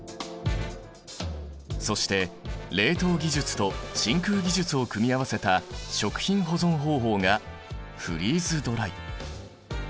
そして冷凍技術と真空技術を組み合わせた食品保存方法がフリーズドライ。